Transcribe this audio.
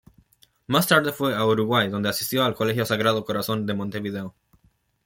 Más tarde fue a Uruguay, donde asistió al Colegio Sagrado Corazón, de Montevideo.